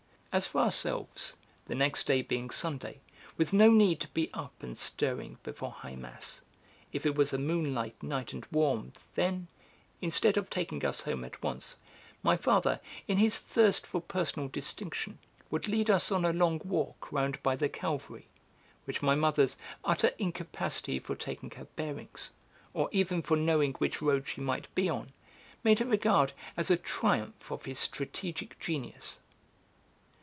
As for ourselves, the next day being Sunday, with no need to be up and stirring before high mass, if it was a moonlight night and warm, then, instead of taking us home at once, my father, in his thirst for personal distinction, would lead us on a long walk round by the Calvary, which my mother's utter incapacity for taking her bearings, or even for knowing which road she might be on, made her regard as a triumph of his strategic genius.